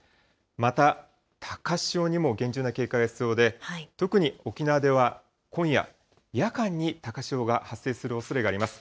また、高潮にも厳重な警戒が必要で、特に沖縄では今夜、夜間に高潮が発生するおそれがあります。